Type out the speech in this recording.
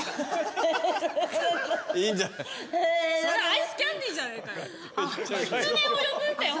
アイスキャンディーじゃねえかよ。